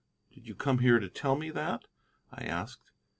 "Did you come here to tell me that?" I asked.